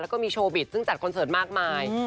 แล้วก็มีโชบิตซึ่งจัดคอนเสิร์ตมากมาย